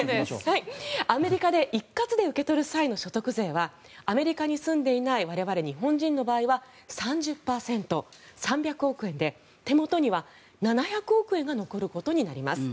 アメリカで一括で受け取る際の所得税はアメリカに住んでいない我々日本人の場合は３０％、３００億円で手元には７００億円が残ることになります。